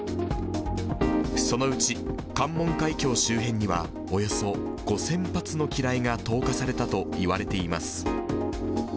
そのうち関門海峡周辺には、およそ５０００発の機雷が投下されたといわれています。